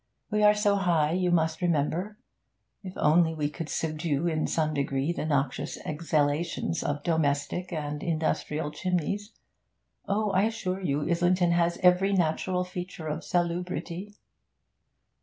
We are so high, you must remember. If only we could subdue in some degree the noxious exhalations of domestic and industrial chimneys! Oh, I assure you, Islington has every natural feature of salubrity.'